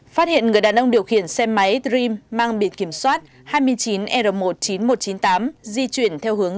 phát hiện người đàn ông điều khiển xe máy dream mang biển kiểm soát hai mươi chín r một mươi chín nghìn một trăm chín mươi tám di chuyển theo hướng